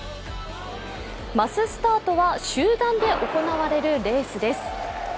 マススタートは集団で行われるレースです。